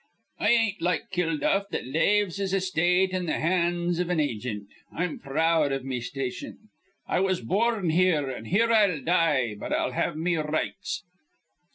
I ain't like Kilduff, that laves his estate in th' hands iv an agint. I'm proud iv me station. I was bor rn here, an' here I'll die; but I'll have me r rights.